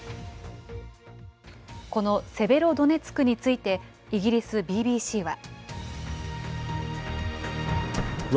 このセベロドネツクについてイギリスＢＢＣは。